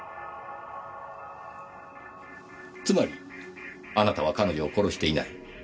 つまりあなたは彼女を殺していない。